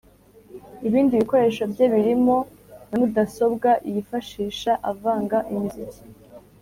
Ibindi bikoresho bye birimo na mudasobwa yifashisha avanga imiziki.